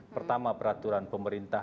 pertama peraturan pemerintah